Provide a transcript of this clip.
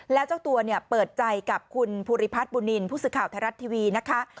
และเจ้าตัวเปิดใจกับคุณพุรีพัฒน์บุนนีนพุศึข่าวไทยรัฐทีวีนะคะ